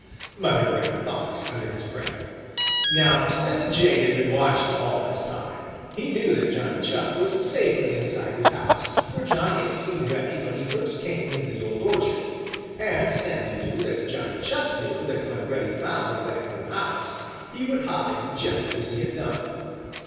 muttered Reddy Fox under his breath. Now Sammy Jay had been watching all this time. He knew that Johnny Chuck was safely inside his house, for Johnny had seen Reddy when he first came into the old orchard. And Sammy knew that Johnny Chuck knew that when Reddy found that new house, he would hide just as he had done.